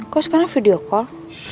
kok sekarang video call